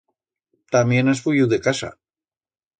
Tamién has fuiu de casa.